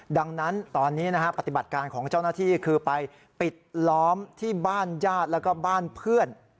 ดังนั้นตอนนี้ปฏิบัติการของเจ้าหน้าที่คือไปปิดล้อมที่บ้านญาติแล้วก็บ้านเพื่อน